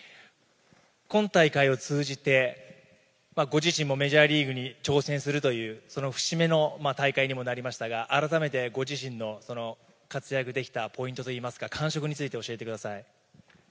今大会を通じて、ご自身もメジャーリーグに挑戦するという、その節目の大会にもなりましたが、改めてご自身の活躍できたポイントといいますか、感触について教えてください。